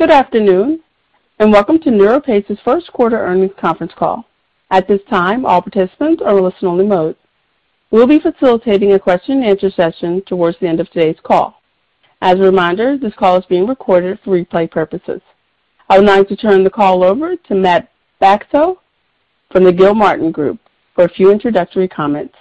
Good afternoon, and welcome to NeuroPace's Q1 earnings conference call. At this time, all participants are in listen only mode. We'll be facilitating a question-and-answer session towards the end of today's call. As a reminder, this call is being recorded for replay purposes. I would now like to turn the call over to Matt Bacso from the Gilmartin Group for a few introductory comments.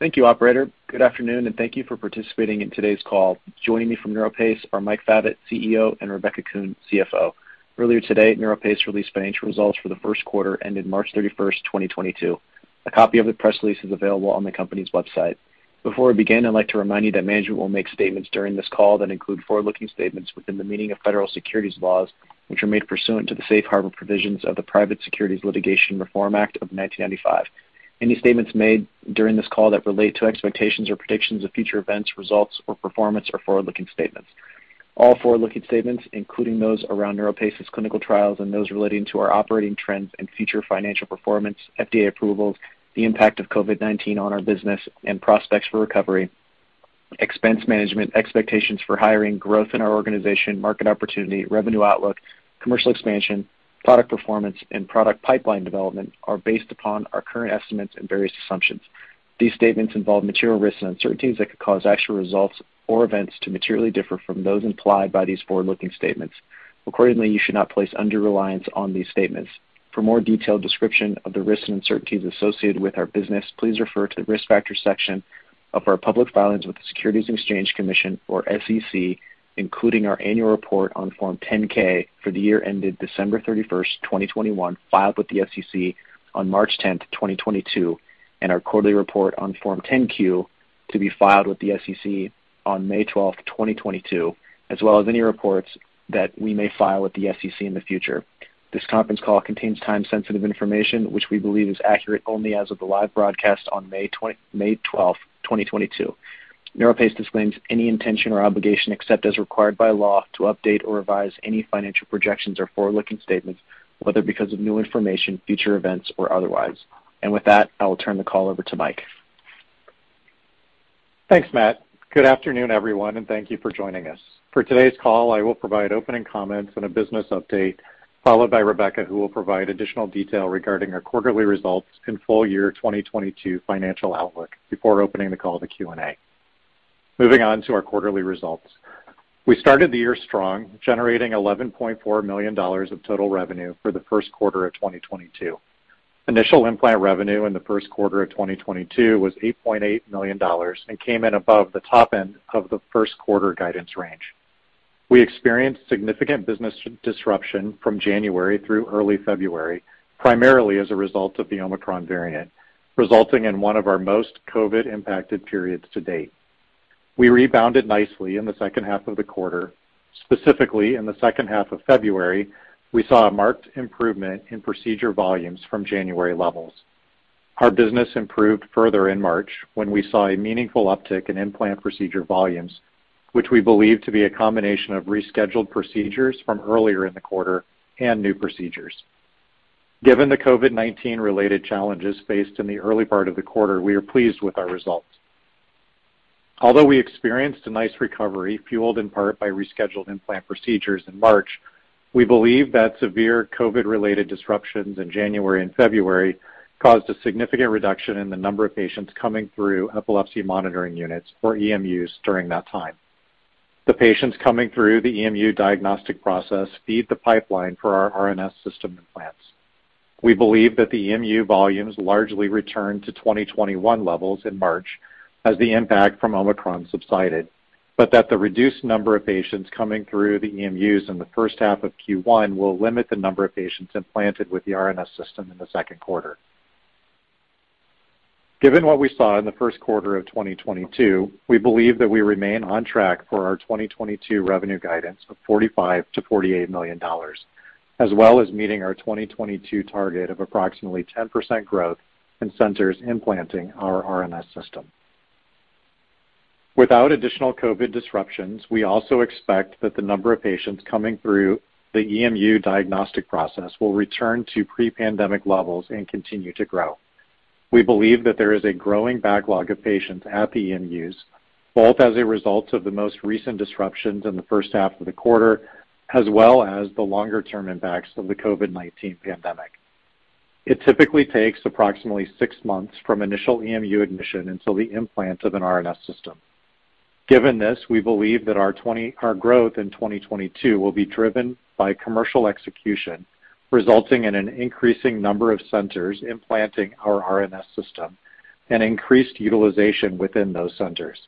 Thank you, operator. Good afternoon, and thank you for participating in today's call. Joining me from NeuroPace are Mike Favet, CEO, and Rebecca Kuhn, CFO. Earlier today, NeuroPace released financial results for the Q1 ended March 31, 2022. A copy of the press release is available on the company's website. Before we begin, I'd like to remind you that management will make statements during this call that include forward-looking statements within the meaning of Federal Securities laws, which are made pursuant to the safe harbor provisions of the Private Securities Litigation Reform Act of 1995. Any statements made during this call that relate to expectations or predictions of future events, results or performance are forward-looking statements. All forward-looking statements, including those around NeuroPace clinical trials and those relating to our operating trends and future financial performance, FDA approvals, the impact of COVID-19 on our business and prospects for recovery, expense management, expectations for hiring, growth in our organization, market opportunity, revenue outlook, commercial expansion, product performance, and product pipeline development, are based upon our current estimates and various assumptions. These statements involve material risks and uncertainties that could cause actual results or events to materially differ from those implied by these forward-looking statements. Accordingly, you should not place undue reliance on these statements. For more detailed description of the risks and uncertainties associated with our business, please refer to the Risk Factors section of our public filings with the Securities and Exchange Commission or SEC, including our annual report on Form 10-K for the year ended December 31, 2021, filed with the SEC on March 10, 2022, and our quarterly report on Form 10-Q to be filed with the SEC on May 12, 2022, as well as any reports that we may file with the SEC in the future. This conference call contains time-sensitive information, which we believe is accurate only as of the live broadcast on May 12, 2022. NeuroPace disclaims any intention or obligation, except as required by law, to update or revise any financial projections or forward-looking statements, whether because of new information, future events, or otherwise. With that, I will turn the call over to Mike. Thanks, Matt. Good afternoon, everyone, and thank you for joining us. For today's call, I will provide opening comments and a business update, followed by Rebecca, who will provide additional detail regarding our quarterly results and full year 2022 financial outlook before opening the call to Q&A. Moving on to our quarterly results. We started the year strong, generating $11.4 million of total revenue for the Q1 of 2022. Initial implant revenue in the Q1 of 2022 was $8.8 million and came in above the top end of the Q1 guidance range. We experienced significant business disruption from January through early February, primarily as a result of the Omicron variant, resulting in one of our most COVID-impacted periods to date. We rebounded nicely in the second half of the quarter. Specifically, in the second half of February, we saw a marked improvement in procedure volumes from January levels. Our business improved further in March when we saw a meaningful uptick in implant procedure volumes, which we believe to be a combination of rescheduled procedures from earlier in the quarter and new procedures. Given the COVID-19 related challenges faced in the early part of the quarter, we are pleased with our results. Although we experienced a nice recovery fueled in part by rescheduled implant procedures in March, we believe that severe COVID-related disruptions in January and February caused a significant reduction in the number of patients coming through epilepsy monitoring units or EMUs during that time. The patients coming through the EMU diagnostic process feed the pipeline for our RNS System implants. We believe that the EMU volumes largely returned to 2021 levels in March as the impact from Omicron subsided, but that the reduced number of patients coming through the EMUs in the first half of Q1 will limit the number of patients implanted with the RNS System in the Q2. Given what we saw in the Q1 of 2022, we believe that we remain on track for our 2022 revenue guidance of $45 million-$48 million, as well as meeting our 2022 target of approximately 10% growth in centers implanting our RNS System. Without additional COVID disruptions, we also expect that the number of patients coming through the EMU diagnostic process will return to pre-pandemic levels and continue to grow. We believe that there is a growing backlog of patients at the EMUs, both as a result of the most recent disruptions in the first half of the quarter, as well as the longer-term impacts of the COVID-19 pandemic. It typically takes approximately six months from initial EMU admission until the implant of an RNS System. Given this, we believe that our growth in 2022 will be driven by commercial execution, resulting in an increasing number of centers implanting our RNS System and increased utilization within those centers.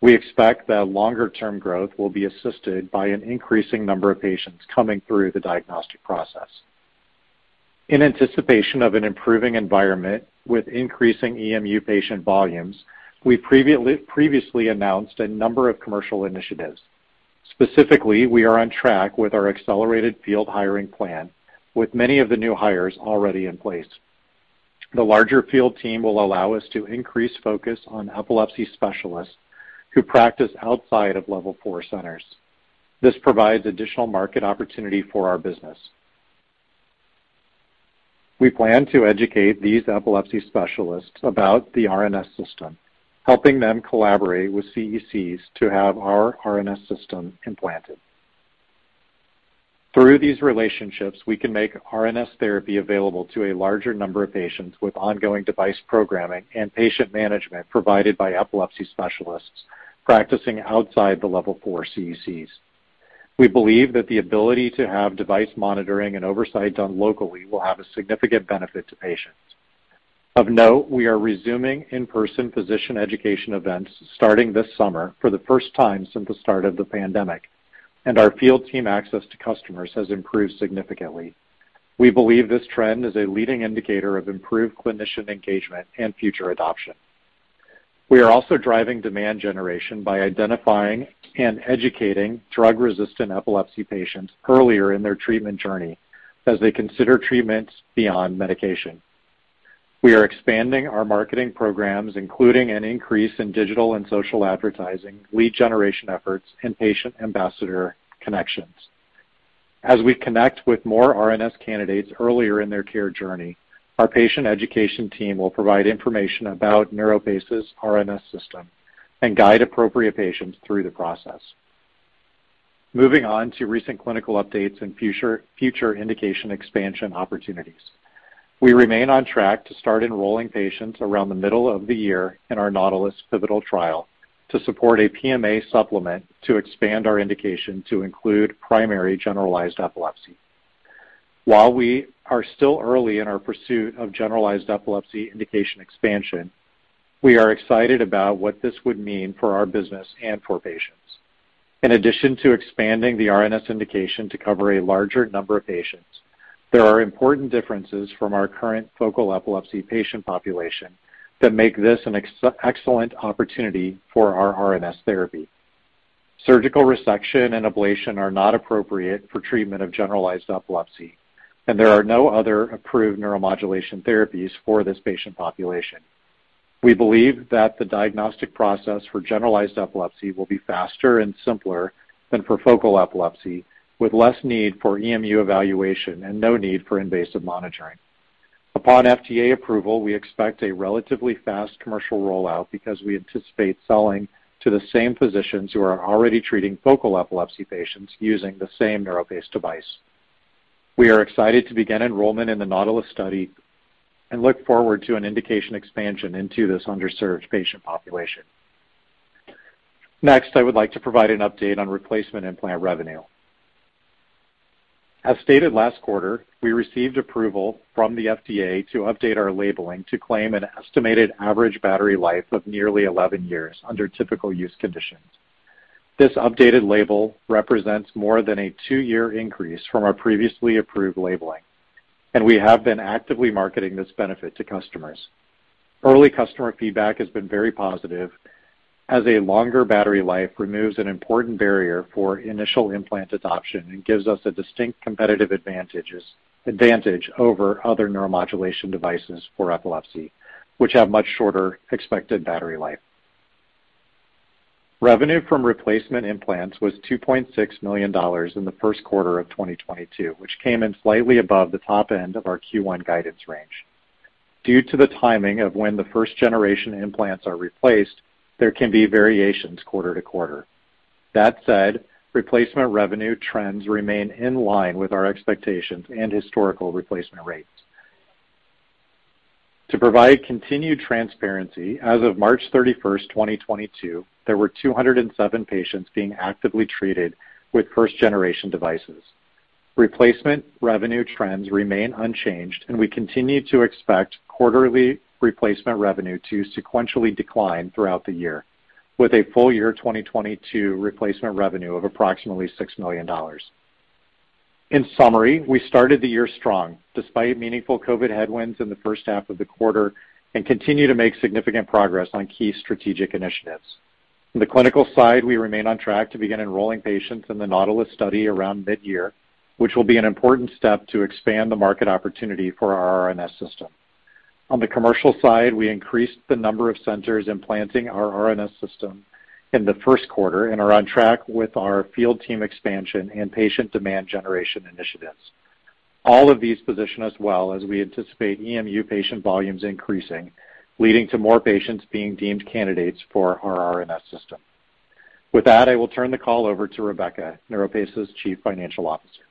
We expect that longer-term growth will be assisted by an increasing number of patients coming through the diagnostic process. In anticipation of an improving environment with increasing EMU patient volumes, we previously announced a number of commercial initiatives. Specifically, we are on track with our accelerated field hiring plan, with many of the new hires already in place. The larger field team will allow us to increase focus on epilepsy specialists who practice outside of Level four centers. This provides additional market opportunity for our business. We plan to educate these epilepsy specialists about the RNS System, helping them collaborate with CECs to have our RNS System implanted. Through these relationships, we can make RNS therapy available to a larger number of patients with ongoing device programming and patient management provided by epilepsy specialists practicing outside the Level four CECs. We believe that the ability to have device monitoring and oversight done locally will have a significant benefit to patients. Of note, we are resuming in-person physician education events starting this summer for the first time since the start of the pandemic, and our field team access to customers has improved significantly. We believe this trend is a leading indicator of improved clinician engagement and future adoption. We are also driving demand generation by identifying and educating drug-resistant epilepsy patients earlier in their treatment journey as they consider treatments beyond medication. We are expanding our marketing programs, including an increase in digital and social advertising, lead generation efforts, and patient ambassador connections. As we connect with more RNS candidates earlier in their care journey, our patient education team will provide information about NeuroPace RNS System and guide appropriate patients through the process. Moving on to recent clinical updates and future indication expansion opportunities. We remain on track to start enrolling patients around the middle of the year in our NAUTILUS pivotal trial to support a PMA supplement to expand our indication to include primary generalized epilepsy. While we are still early in our pursuit of generalized epilepsy indication expansion, we are excited about what this would mean for our business and for patients. In addition to expanding the RNS indication to cover a larger number of patients, there are important differences from our current focal epilepsy patient population that make this an excellent opportunity for our RNS therapy. Surgical resection and ablation are not appropriate for treatment of generalized epilepsy, and there are no other approved neuromodulation therapies for this patient population. We believe that the diagnostic process for generalized epilepsy will be faster and simpler than for focal epilepsy, with less need for EMU evaluation and no need for invasive monitoring. Upon FDA approval, we expect a relatively fast commercial rollout because we anticipate selling to the same physicians who are already treating focal epilepsy patients using the same NeuroPace device. We are excited to begin enrollment in the NAUTILUS study and look forward to an indication expansion into this underserved patient population. Next, I would like to provide an update on replacement implant revenue. As stated last quarter, we received approval from the FDA to update our labeling to claim an estimated average battery life of nearly 11 years under typical use conditions. This updated label represents more than a two-year increase from our previously approved labeling, and we have been actively marketing this benefit to customers. Early customer feedback has been very positive as a longer battery life removes an important barrier for initial implant adoption and gives us a distinct competitive advantage over other neuromodulation devices for epilepsy, which have much shorter expected battery life. Revenue from replacement implants was $2.6 million in the Q1 of 2022, which came in slightly above the top end of our Q1 guidance range. Due to the timing of when the first generation implants are replaced, there can be variations quarter to quarter. That said, replacement revenue trends remain in line with our expectations and historical replacement rates. To provide continued transparency, as of March 31, 2022, there were 207 patients being actively treated with first generation devices. Replacement revenue trends remain unchanged, and we continue to expect quarterly replacement revenue to sequentially decline throughout the year with a full-year 2022 replacement revenue of approximately $6 million. In summary, we started the year strong despite meaningful COVID headwinds in the first half of the quarter and continue to make significant progress on key strategic initiatives. On the clinical side, we remain on track to begin enrolling patients in the NAUTILUS study around mid-year, which will be an important step to expand the market opportunity for our RNS System. On the commercial side, we increased the number of centers implanting our RNS System in the Q1 and are on track with our field team expansion and patient demand generation initiatives. All of these position us well as we anticipate EMU patient volumes increasing, leading to more patients being deemed candidates for our RNS System. With that, I will turn the call over to Rebecca, NeuroPace Chief Financial Officer.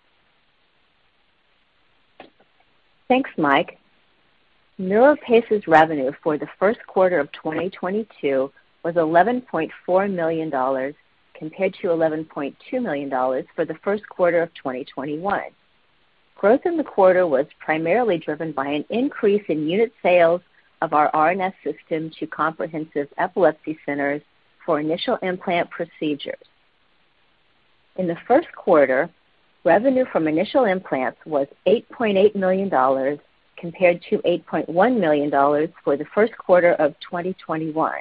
Thanks, Mike. NeuroPace revenue for the Q1 of 2022 was $11.4 million compared to $11.2 million for the Q1 of 2021. Growth in the quarter was primarily driven by an increase in unit sales of our RNS System to comprehensive epilepsy centers for initial implant procedures. In the Q1, revenue from initial implants was $8.8 million compared to $8.1 million for the Q1 of 2021.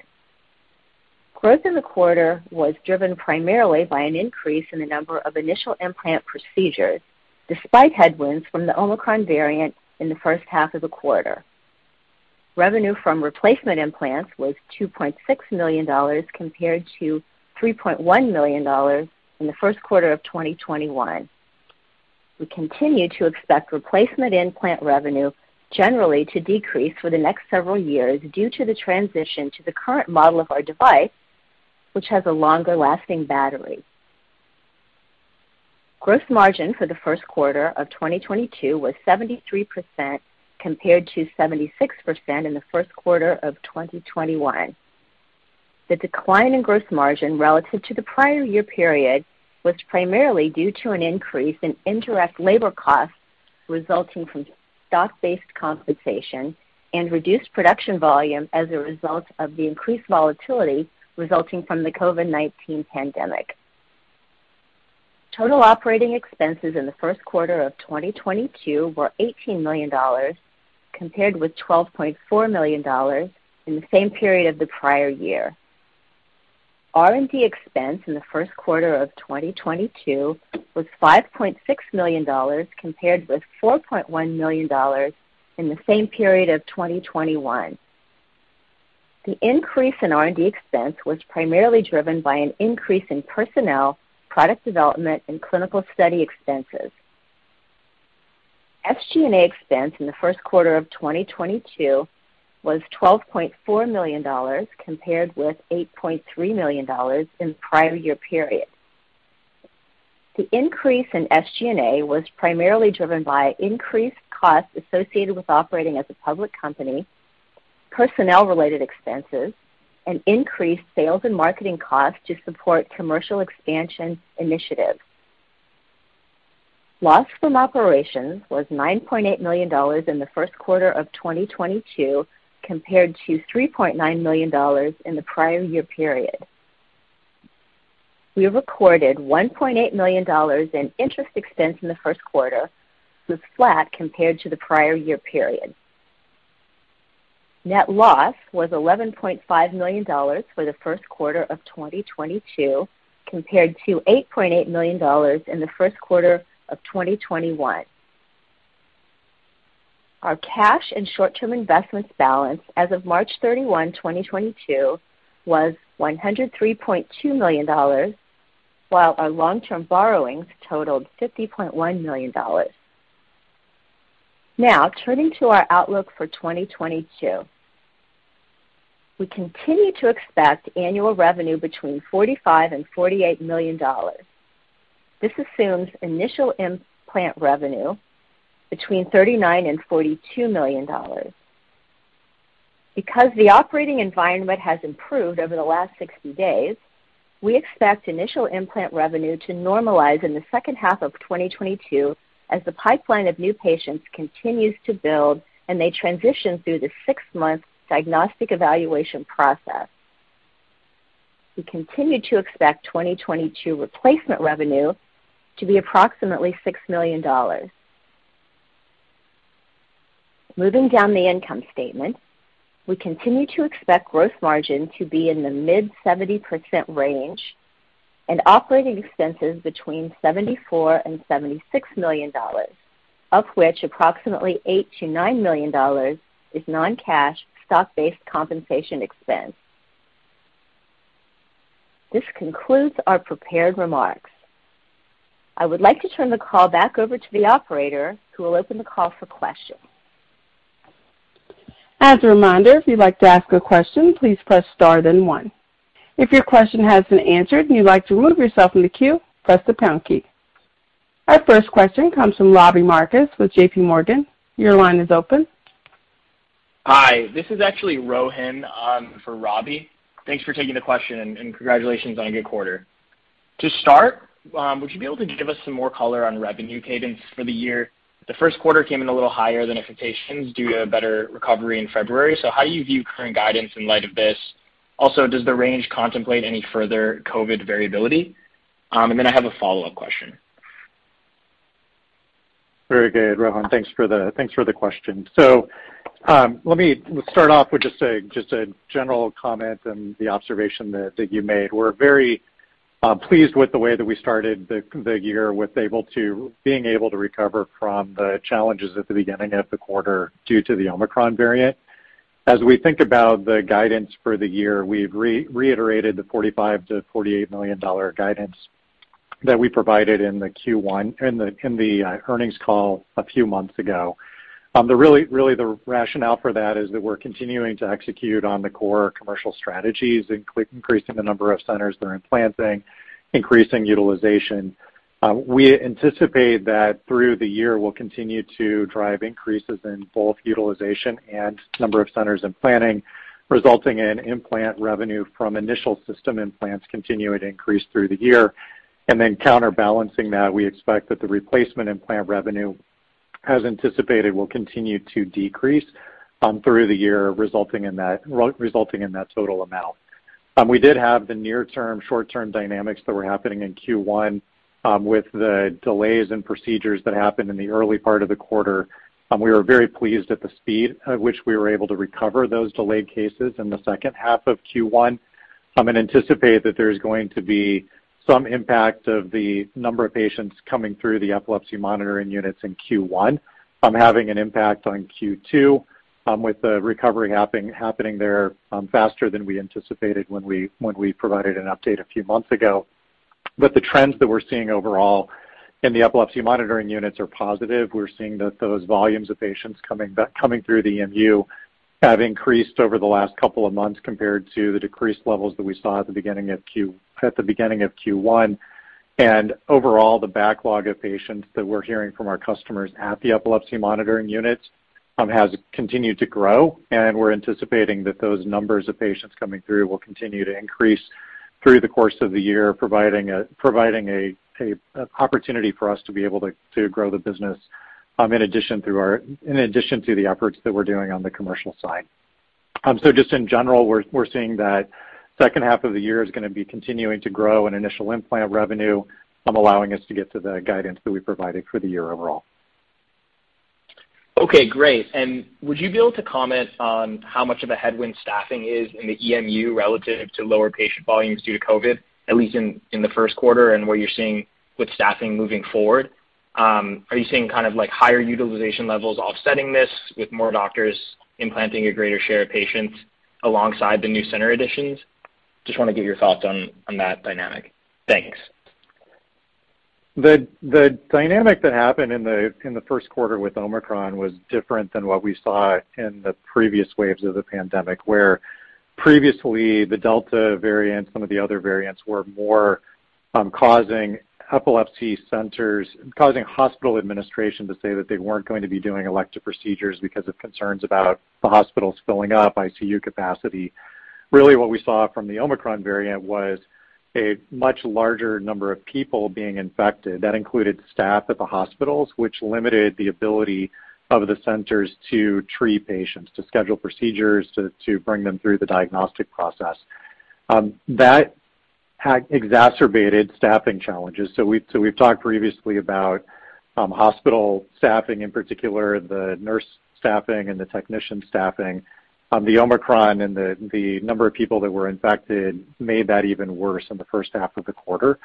Growth in the quarter was driven primarily by an increase in the number of initial implant procedures, despite headwinds from the Omicron variant in the first half of the quarter. Revenue from replacement implants was $2.6 million compared to $3.1 million in the Q1 of 2021. We continue to expect replacement implant revenue generally to decrease for the next several years due to the transition to the current model of our device, which has a longer-lasting battery. Gross margin for the Q1 of 2022 was 73% compared to 76% in the Q1 of 2021. The decline in gross margin relative to the prior year period was primarily due to an increase in indirect labor costs resulting from stock-based compensation and reduced production volume as a result of the increased volatility resulting from the COVID-19 pandemic. Total operating expenses in the Q1 of 2022 were $18 million, compared with $12.4 million in the same period of the prior year. R&D expense in the Q1 of 2022 was $5.6 million, compared with $4.1 million in the same period of 2021. The increase in R&D expense was primarily driven by an increase in personnel, product development, and clinical study expenses. SG&A expense in the Q1 of 2022 was $12.4 million, compared with $8.3 million in prior year period. The increase in SG&A was primarily driven by increased costs associated with operating as a public company, personnel-related expenses, and increased sales and marketing costs to support commercial expansion initiatives. Loss from operations was $9.8 million in the Q1 of 2022, compared to $3.9 million in the prior year period. We recorded $1.8 million in interest expense in the Q1, was flat compared to the prior year period. Net loss was $11.5 million for the Q1 of 2022, compared to $8.8 million in the Q1 of 2021. Our cash and short-term investments balance as of March 31, 2022 was $103.2 million, while our long-term borrowings totaled $50.1 million. Now, turning to our outlook for 2022. We continue to expect annual revenue between $45 million-$48 million. This assumes initial implant revenue between $39 million-$42 million. Because the operating environment has improved over the last 60 days, we expect initial implant revenue to normalize in the second half of 2022 as the pipeline of new patients continues to build and they transition through the six-month diagnostic evaluation process. We continue to expect 2022 replacement revenue to be approximately $6 million. Moving down the income statement, we continue to expect gross margin to be in the mid-70% range and operating expenses between $74 million-$76 million, of which approximately $8 million-$9 million is non-cash stock-based compensation expense. This concludes our prepared remarks. I would like to turn the call back over to the operator who will open the call for questions. As a reminder, if you'd like to ask a question, please press star then one. If your question has been answered and you'd like to remove yourself from the queue, press the pound key. Our first question comes from Robbie Marcus with JPMorgan. Your line is open. Hi, this is actually Rohan for Robbie Marcus. Thanks for taking the question and congratulations on a good quarter. To start, would you be able to give us some more color on revenue cadence for the year? The Q1 came in a little higher than expectations due to a better recovery in February. How you view current guidance in light of this? Also, does the range contemplate any further COVID variability? Then I have a follow-up question. Very good, Rohan. Thanks for the question. Let me start off with just a general comment and the observation that you made. We're very pleased with the way that we started the year being able to recover from the challenges at the beginning of the quarter due to the Omicron variant. As we think about the guidance for the year, we've reiterated the $45 million-$48 million guidance that we provided in the Q1 earnings call a few months ago. The rationale for that is that we're continuing to execute on the core commercial strategies, increasing the number of centers that are implanting, increasing utilization. We anticipate that through the year, we'll continue to drive increases in both utilization and number of centers implanting, resulting in implant revenue from initial system implants continuing to increase through the year. Then counterbalancing that, we expect that the replacement implant revenue, as anticipated, will continue to decrease through the year, resulting in that total amount. We did have the near-term, short-term dynamics that were happening in Q1 with the delays in procedures that happened in the early part of the quarter. We were very pleased at the speed at which we were able to recover those delayed cases in the second half of Q1. We anticipate that there's going to be some impact of the number of patients coming through the epilepsy monitoring units in Q1 having an impact on Q2 with the recovery happening there faster than we anticipated when we provided an update a few months ago. The trends that we're seeing overall in the epilepsy monitoring units are positive. We're seeing that those volumes of patients coming through the EMU have increased over the last couple of months compared to the decreased levels that we saw at the beginning of Q1. Overall, the backlog of patients that we're hearing from our customers at the epilepsy monitoring units has continued to grow, and we're anticipating that those numbers of patients coming through will continue to increase through the course of the year, providing an opportunity for us to be able to grow the business in addition to the efforts that we're doing on the commercial side. Just in general, we're seeing that second half of the year is gonna be continuing to grow in initial implant revenue, allowing us to get to the guidance that we provided for the year overall. Okay, great. Would you be able to comment on how much of a headwind staffing is in the EMU relative to lower patient volumes due to COVID, at least in the Q1, and what you're seeing with staffing moving forward? Are you seeing kind of like higher utilization levels offsetting this with more doctors implanting a greater share of patients alongside the new center additions? Just wanna get your thoughts on that dynamic. Thanks. The dynamic that happened in the Q1 with Omicron was different than what we saw in the previous waves of the pandemic, where previously the Delta variant, some of the other variants were more causing hospital administration to say that they weren't going to be doing elective procedures because of concerns about the hospitals filling up, ICU capacity. Really, what we saw from the Omicron variant was a much larger number of people being infected. That included staff at the hospitals, which limited the ability of the centers to treat patients, to schedule procedures, to bring them through the diagnostic process. That had exacerbated staffing challenges. We've talked previously about hospital staffing, in particular the nurse staffing and the technician staffing. The Omicron and the number of people that were infected made that even worse in the first half of the quarter.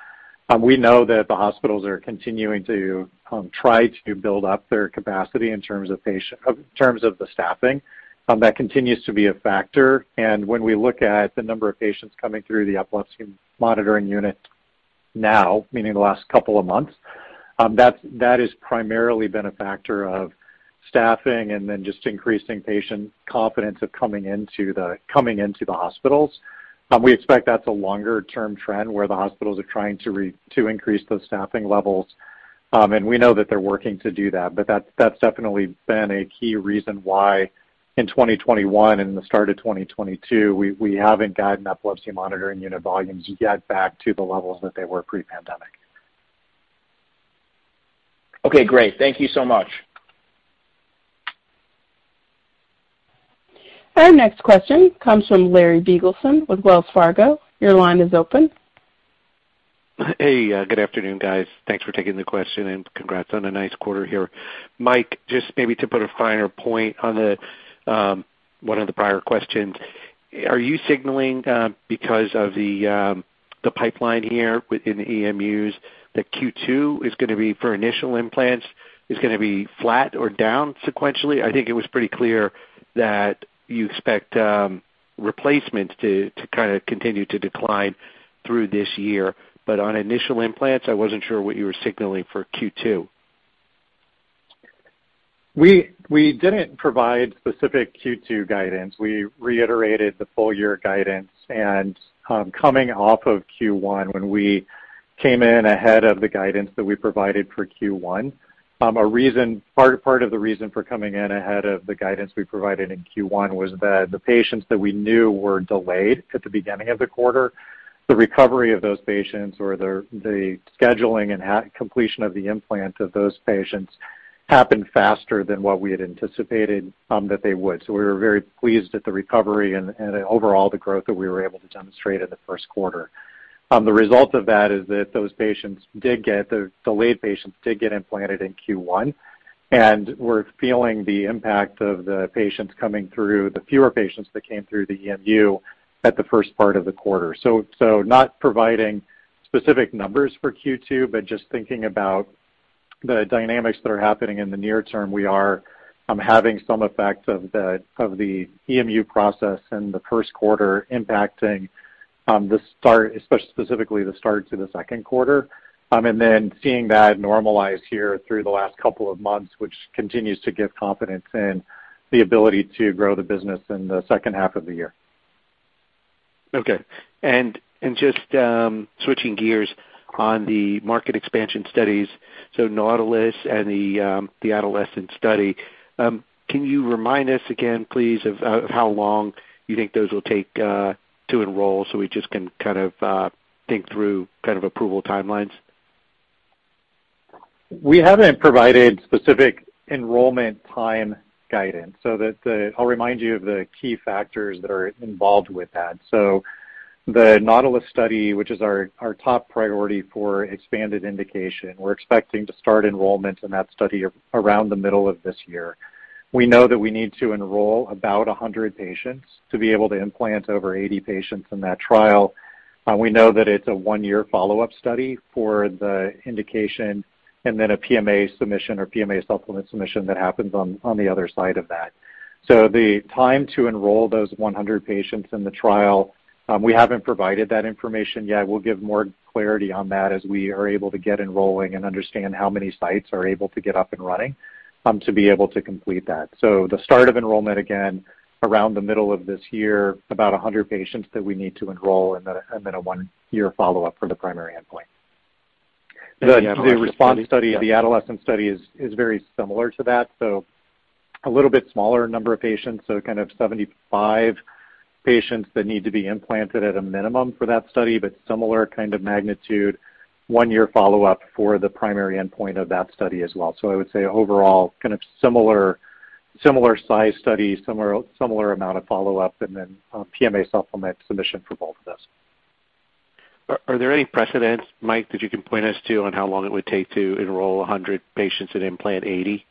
We know that the hospitals are continuing to try to build up their capacity in terms of the staffing. That continues to be a factor. When we look at the number of patients coming through the epilepsy monitoring unit now, meaning the last couple of months, that has primarily been a factor of staffing and then just increasing patient confidence of coming into the hospitals. We expect that's a longer-term trend where the hospitals are trying to increase those staffing levels. We know that they're working to do that, but that's definitely been a key reason why in 2021 and the start of 2022, we haven't gotten epilepsy monitoring unit volumes yet back to the levels that they were pre-pandemic. Okay, great. Thank you so much. Our next question comes from Larry Biegelsen with Wells Fargo. Your line is open. Hey, good afternoon, guys. Thanks for taking the question and congrats on a nice quarter here. Mike, just maybe to put a finer point on the one of the prior questions. Are you signaling because of the pipeline here within the EMUs that Q2 is gonna be, for initial implants, is gonna be flat or down sequentially? I think it was pretty clear that you expect replacements to kinda continue to decline through this year. On initial implants, I wasn't sure what you were signaling for Q2. We didn't provide specific Q2 guidance. We reiterated the full year guidance. Coming off of Q1, when we came in ahead of the guidance that we provided for Q1, part of the reason for coming in ahead of the guidance we provided in Q1 was that the patients that we knew were delayed at the beginning of the quarter, the recovery of those patients or the scheduling and completion of the implant of those patients happened faster than what we had anticipated that they would. We were very pleased at the recovery and overall the growth that we were able to demonstrate in the Q1. The result of that is that the delayed patients did get implanted in Q1, and we're feeling the impact of the patients coming through, the fewer patients that came through the EMU at the first part of the quarter. Not providing specific numbers for Q2, but just thinking about the dynamics that are happening in the near term, we are having some effects of the EMU process in the Q1 impacting the start, specifically the start to the Q2. Seeing that normalize here through the last couple of months, which continues to give confidence in the ability to grow the business in the second half of the year. Okay. Just switching gears on the market expansion studies, so NAUTILUS and the adolescent study, can you remind us again, please, of how long you think those will take to enroll so we just can kind of think through kind of approval timelines? We haven't provided specific enrollment time guidance, so I'll remind you of the key factors that are involved with that. The NAUTILUS study, which is our top priority for expanded indication, we're expecting to start enrollment in that study around the middle of this year. We know that we need to enroll about 100 patients to be able to implant over 80 patients in that trial. We know that it's a one-year follow-up study for the indication and then a PMA submission or PMA supplement submission that happens on the other side of that. The time to enroll those 100 patients in the trial, we haven't provided that information yet. We'll give more clarity on that as we are able to get enrolling and understand how many sites are able to get up and running to be able to complete that. The start of enrollment, again, around the middle of this year, about 100 patients that we need to enroll and then a one-year follow-up for the primary endpoint. The RESPONSE Study of the adolescent study is very similar to that. A little bit smaller number of patients, so kind of 75 patients that need to be implanted at a minimum for that study, but similar kind of magnitude, one-year follow-up for the primary endpoint of that study as well. I would say overall, kind of similar size studies, similar amount of follow-up, and then a PMA supplement submission for both of those. Are there any precedents, Mike, that you can point us to on how long it would take to enroll 100 patients and implant 80?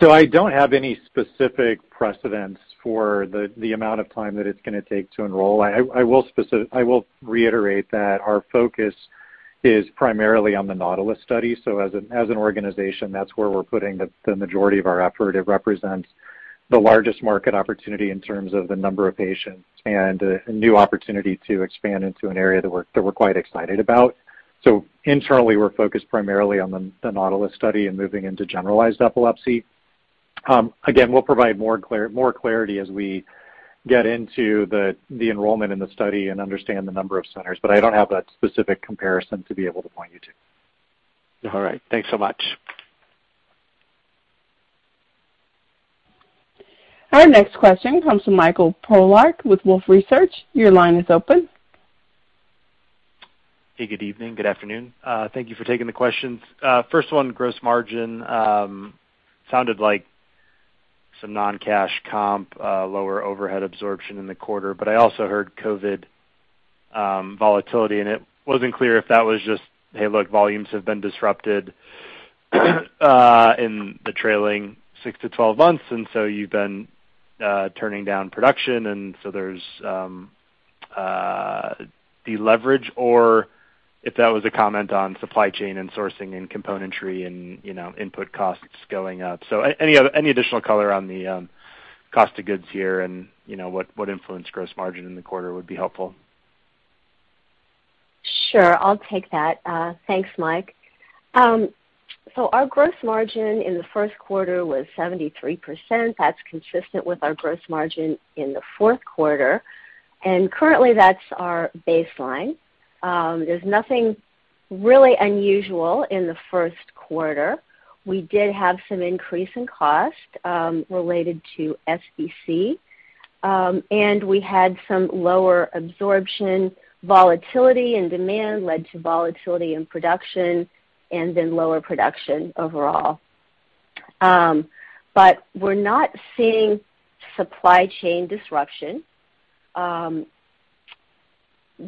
I don't have any specific precedents for the amount of time that it's gonna take to enroll. I will reiterate that our focus is primarily on the NAUTILUS study. As an organization, that's where we're putting the majority of our effort. It represents the largest market opportunity in terms of the number of patients and a new opportunity to expand into an area that we're quite excited about. Internally, we're focused primarily on the NAUTILUS study and moving into generalized epilepsy. Again, we'll provide more clarity as we get into the enrollment in the study and understand the number of centers. I don't have that specific comparison to be able to point you to. All right. Thanks so much. Our next question comes from Michael Polark with Wolfe Research. Your line is open. Hey, good evening. Good afternoon. Thank you for taking the questions. First one, gross margin, sounded like some non-cash comp, lower overhead absorption in the quarter, but I also heard COVID volatility, and it wasn't clear if that was just, hey, look, volumes have been disrupted in the trailing 6-12 months, and so you've been turning down production, and so there's deleverage, or if that was a comment on supply chain and sourcing and componentry and, you know, input costs going up. So any additional color on the cost of goods here and, you know, what influenced gross margin in the quarter would be helpful. Sure. I'll take that. Thanks, Mike. So our gross margin in the Q1 was 73%. That's consistent with our gross margin in the Q4. Currently, that's our baseline. There's nothing really unusual in the Q1. We did have some increase in cost related to SBC. And we had some lower absorption volatility and demand led to volatility in production and then lower production overall. But we're not seeing supply chain disruption.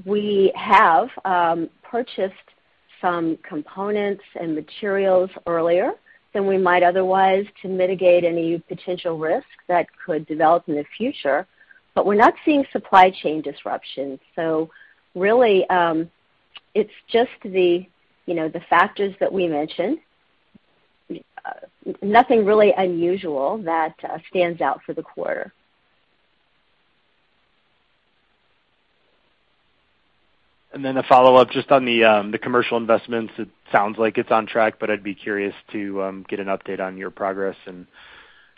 We have purchased some components and materials earlier than we might otherwise to mitigate any potential risk that could develop in the future, but we're not seeing supply chain disruption. So really, it's just the, you know, the factors that we mentioned. Nothing really unusual that stands out for the quarter. A follow-up just on the commercial investments. It sounds like it's on track, but I'd be curious to get an update on your progress in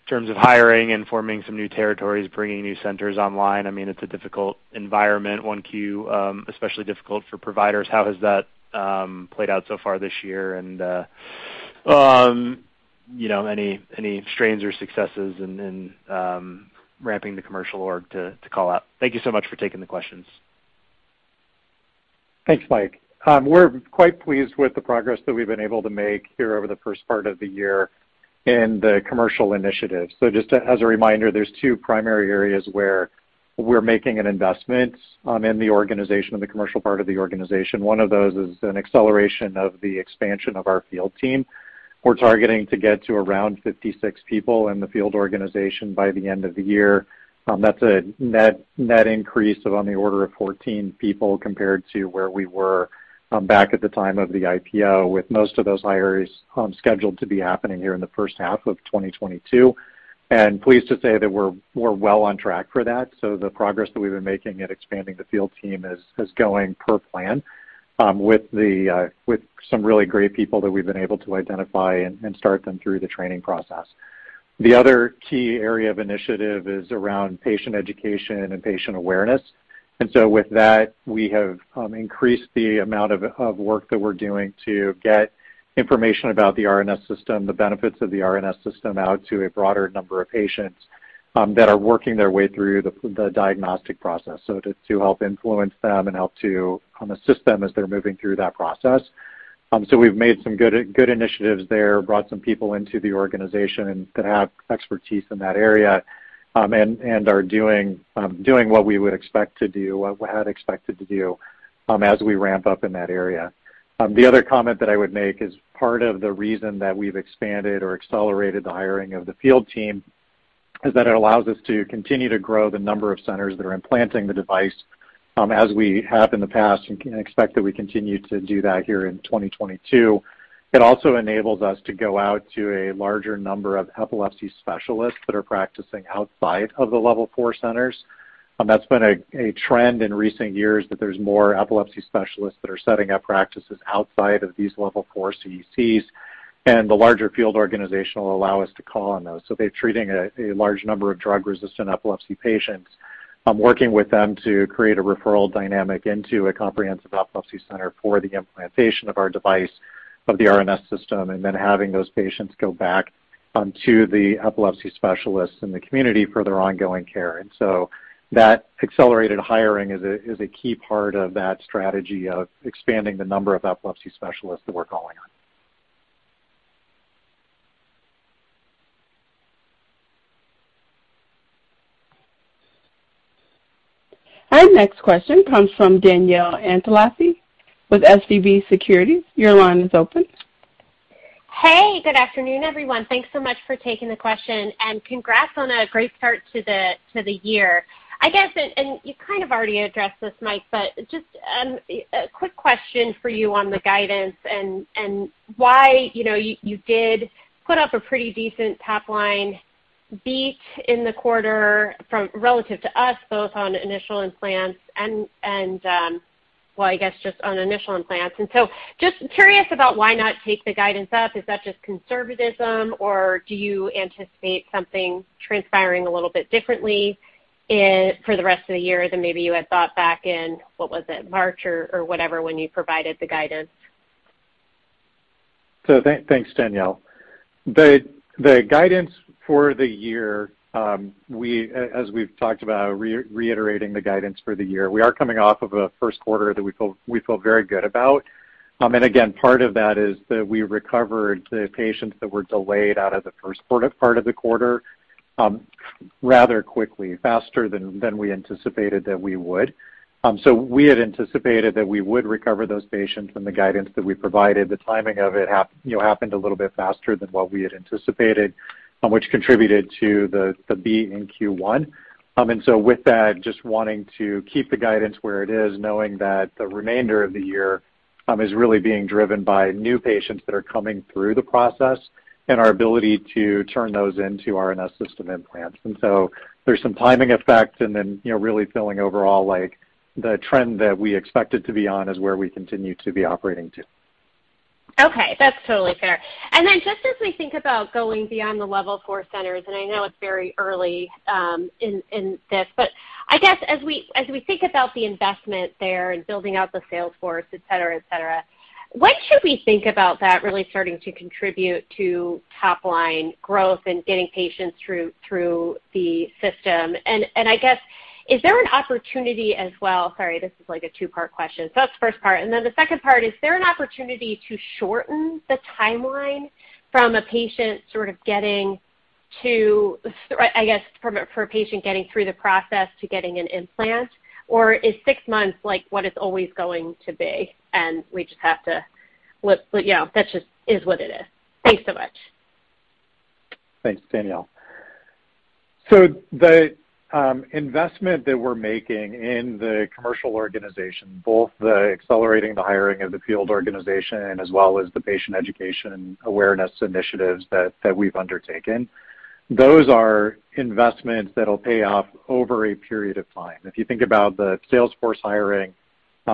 terms of hiring and forming some new territories, bringing new centers online. I mean, it's a difficult environment, Q1, especially difficult for providers. How has that played out so far this year? You know, any strains or successes in ramping the commercial org to call out. Thank you so much for taking the questions. Thanks, Mike. We're quite pleased with the progress that we've been able to make here over the first part of the year in the commercial initiatives. Just as a reminder, there's two primary areas where we're making an investment in the organization, in the commercial part of the organization. One of those is an acceleration of the expansion of our field team. We're targeting to get to around 56 people in the field organization by the end of the year. That's a net increase of on the order of 14 people compared to where we were back at the time of the IPO, with most of those hires scheduled to be happening here in the first half of 2022. Pleased to say that we're well on track for that. The progress that we've been making at expanding the field team is going per plan, with some really great people that we've been able to identify and start them through the training process. The other key area of initiative is around patient education and patient awareness. With that, we have increased the amount of work that we're doing to get information about the RNS System, the benefits of the RNS System out to a broader number of patients, that are working their way through the diagnostic process. To help influence them and help to assist them as they're moving through that process. We've made some good initiatives there, brought some people into the organization that have expertise in that area and are doing what we would expect to do, what we had expected to do, as we ramp up in that area. The other comment that I would make is part of the reason that we've expanded or accelerated the hiring of the field team is that it allows us to continue to grow the number of centers that are implanting the device, as we have in the past, and expect that we continue to do that here in 2022. It also enables us to go out to a larger number of epilepsy specialists that are practicing outside of the level four centers. That's been a trend in recent years that there's more epilepsy specialists that are setting up practices outside of these level four CECs, and the larger field organization will allow us to call on those. They're treating a large number of drug-resistant epilepsy patients, working with them to create a referral dynamic into a comprehensive epilepsy center for the implantation of our device, of the RNS System, and then having those patients go back to the epilepsy specialists in the community for their ongoing care. That accelerated hiring is a key part of that strategy of expanding the number of epilepsy specialists that we're calling on. Our next question comes from Danielle Antalffy with SVB Securities. Your line is open. Hey, good afternoon, everyone. Thanks so much for taking the question. Congrats on a great start to the year. I guess you kind of already addressed this, Mike, but just a quick question for you on the guidance and why, you know, you did put up a pretty decent top line beat in the quarter from relative to us, both on initial implants and well, I guess just on initial implants. Just curious about why not take the guidance up. Is that just conservatism, or do you anticipate something transpiring a little bit differently in for the rest of the year than maybe you had thought back in, what was it, March or whatever when you provided the guidance? Thanks, Danielle. The guidance for the year, as we've talked about reiterating the guidance for the year, we are coming off of a Q1 that we feel very good about. Again, part of that is that we recovered the patients that were delayed out of the Q1, part of the quarter, rather quickly, faster than we anticipated that we would. We had anticipated that we would recover those patients from the guidance that we provided. The timing of it, you know, happened a little bit faster than what we had anticipated, which contributed to the beat in Q1. With that, just wanting to keep the guidance where it is, knowing that the remainder of the year is really being driven by new patients that are coming through the process and our ability to turn those into RNS System implants. There's some timing effects and then, you know, really feeling overall like the trend that we expected to be on is where we continue to be operating to. Okay, that's totally fair. Just as we think about going beyond the level four centers, and I know it's very early in this, but I guess as we think about the investment there and building out the sales force, et cetera, et cetera, when should we think about that really starting to contribute to top line growth and getting patients through the system? I guess, is there an opportunity as well. Sorry, this is like a two-part question. That's the first part. The second part, is there an opportunity to shorten the timeline from a patient getting through the process to getting an implant? Or is six months like what it's always going to be, and we just have to you know that just is what it is. Thanks so much. Thanks, Danielle. The investment that we're making in the commercial organization, both the accelerating the hiring of the field organization as well as the patient education awareness initiatives that we've undertaken, those are investments that'll pay off over a period of time. If you think about the sales force hiring,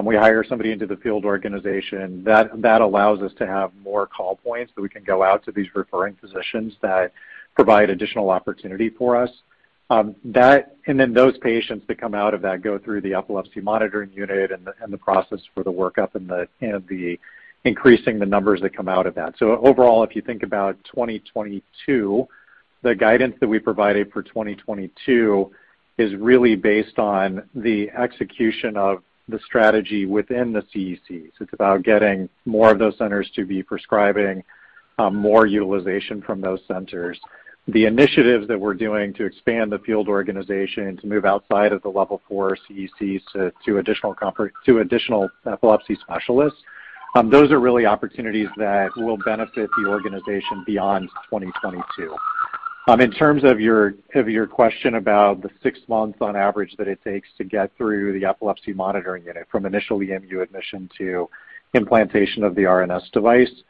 we hire somebody into the field organization, that allows us to have more call points, so we can go out to these referring physicians that provide additional opportunity for us. That and then those patients that come out of that go through the epilepsy monitoring unit and the process for the workup and the increasing the numbers that come out of that. Overall, if you think about 2022, the guidance that we provided for 2022 is really based on the execution of the strategy within the CECs. It's about getting more of those centers to be prescribing, more utilization from those centers. The initiatives that we're doing to expand the field organization to move outside of the level four CECs to additional epilepsy specialists, those are really opportunities that will benefit the organization beyond 2022. In terms of your question about the six months on average that it takes to get through the epilepsy monitoring unit from initial EMU admission to implantation of the RNS device,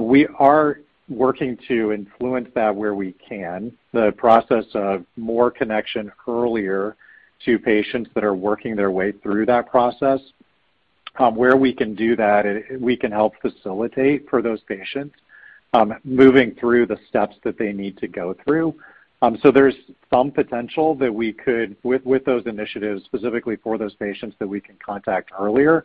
we are working to influence that where we can. The process of more connection earlier to patients that are working their way through that process, where we can do that, we can help facilitate for those patients moving through the steps that they need to go through. There's some potential that we could with those initiatives specifically for those patients that we can contact earlier,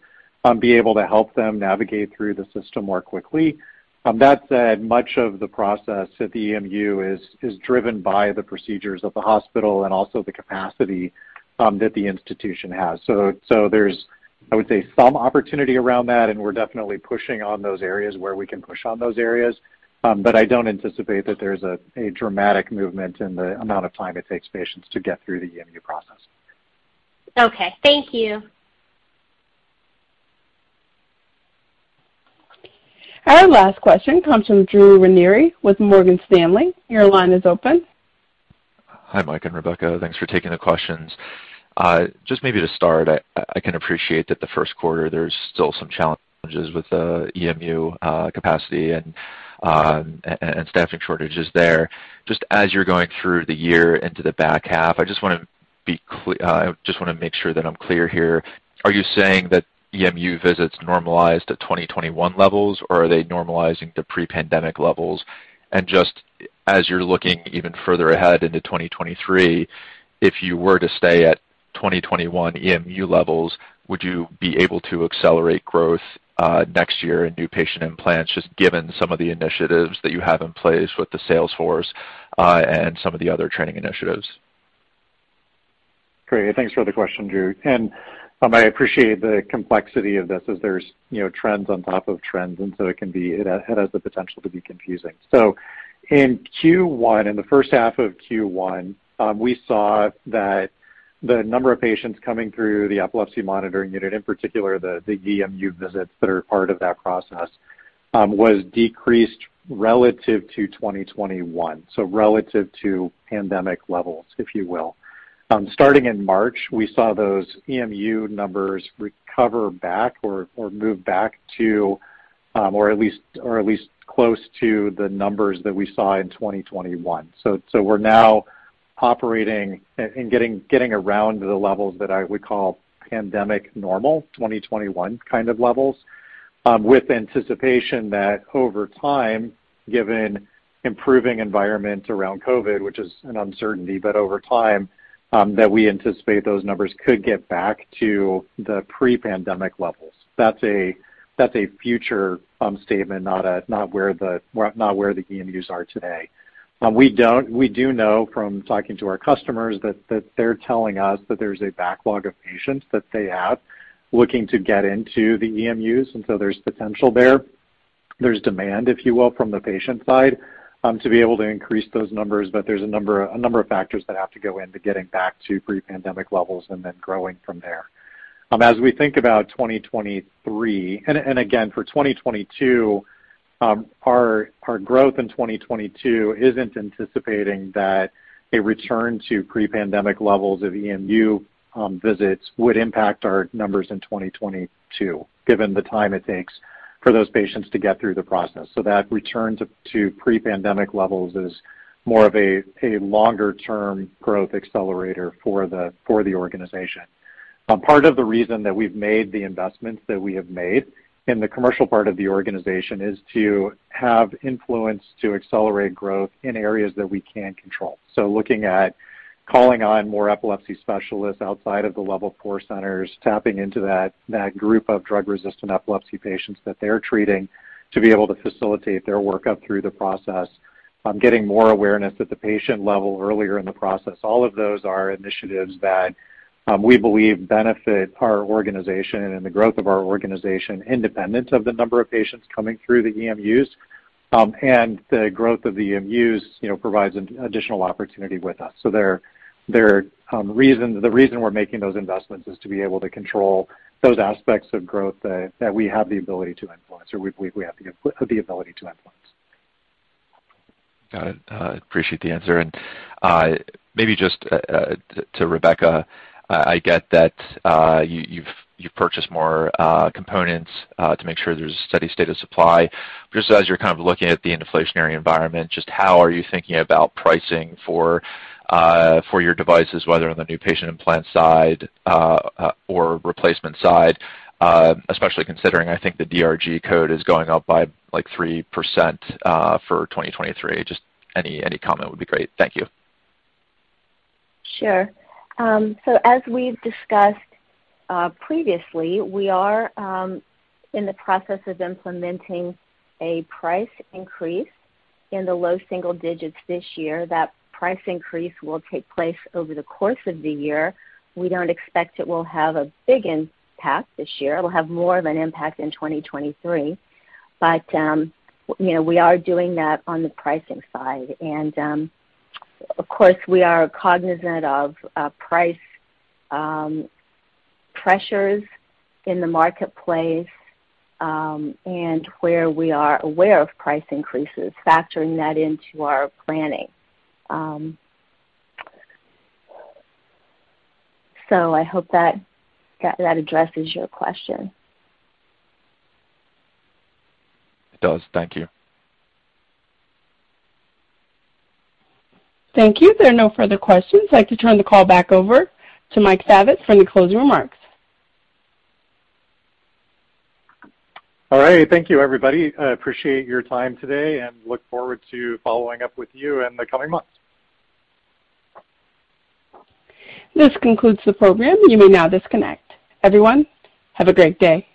be able to help them navigate through the system more quickly. That said, much of the process at the EMU is driven by the procedures of the hospital and also the capacity that the institution has. There's, I would say some opportunity around that, and we're definitely pushing on those areas where we can. I don't anticipate that there's a dramatic movement in the amount of time it takes patients to get through the EMU process. Okay. Thank you. Our last question comes from Drew Ranieri with Morgan Stanley. Your line is open. Hi, Mike and Rebecca. Thanks for taking the questions. Just maybe to start, I can appreciate that the Q1, there's still some challenges with the EMU capacity and staffing shortages there. Just as you're going through the year into the back half, I just wanna make sure that I'm clear here. Are you saying that EMU visits normalized at 2021 levels, or are they normalizing to pre-pandemic levels? Just as you're looking even further ahead into 2023, if you were to stay at 2021 EMU levels, would you be able to accelerate growth next year in new patient implants, just given some of the initiatives that you have in place with the sales force and some of the other training initiatives? Great. Thanks for the question, Drew. I appreciate the complexity of this as there's, you know, trends on top of trends, and so it has the potential to be confusing. In Q1, in the first half of Q1, we saw that the number of patients coming through the epilepsy monitoring unit, in particular the EMU visits that are part of that process, was decreased relative to 2021, so relative to pandemic levels, if you will. Starting in March, we saw those EMU numbers recover back or move back to or at least close to the numbers that we saw in 2021. We're now operating and getting around to the levels that I would call pandemic normal, 2021 kind of levels, with anticipation that over time, given improving environment around COVID, which is an uncertainty, but over time, that we anticipate those numbers could get back to the pre-pandemic levels. That's a future statement, not where the EMUs are today. We do know from talking to our customers that they're telling us that there's a backlog of patients that they have looking to get into the EMUs, and so there's potential there. There's demand, if you will, from the patient side, to be able to increase those numbers, but there's a number of factors that have to go into getting back to pre-pandemic levels and then growing from there. As we think about 2023. Again, for 2022, our growth in 2022 isn't anticipating that a return to pre-pandemic levels of EMU visits would impact our numbers in 2022, given the time it takes for those patients to get through the process. That return to pre-pandemic levels is more of a longer-term growth accelerator for the organization. Part of the reason that we've made the investments that we have made in the commercial part of the organization is to have influence to accelerate growth in areas that we can control. Looking at calling on more epilepsy specialists outside of the level four centers, tapping into that group of drug-resistant epilepsy patients that they're treating to be able to facilitate their workup through the process, getting more awareness at the patient level earlier in the process. All of those are initiatives that we believe benefit our organization and the growth of our organization independent of the number of patients coming through the EMUs. The growth of the EMUs, you know, provides an additional opportunity with us. They're the reason we're making those investments is to be able to control those aspects of growth that we have the ability to influence or we have the ability to influence. Got it. Appreciate the answer. Maybe just to Rebecca, I get that you've purchased more components to make sure there's a steady state of supply. Just as you're kind of looking at the inflationary environment, just how are you thinking about pricing for your devices, whether on the new patient implant side or replacement side, especially considering I think the DRG code is going up by like 3% for 2023? Just any comment would be great. Thank you. Sure. As we've discussed, previously, we are in the process of implementing a price increase in the low single digits this year. That price increase will take place over the course of the year. We don't expect it will have a big impact this year. It will have more of an impact in 2023. You know, we are doing that on the pricing side. Of course, we are cognizant of price pressures in the marketplace, and where we are aware of price increases, factoring that into our planning. I hope that addresses your question. It does. Thank you. Thank you. There are no further questions. I'd like to turn the call back over to Mike Favet for any closing remarks. All right. Thank you, everybody. I appreciate your time today and look forward to following up with you in the coming months. This concludes the program. You may now disconnect. Everyone, have a great day.